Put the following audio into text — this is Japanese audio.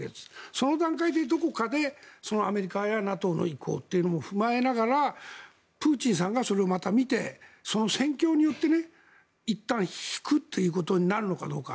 その段階でどこかでアメリカやＮＡＴＯの意向というのも踏まえながらプーチンさんがそれをまた見てその戦況によっていったん引くということになるのかどうか。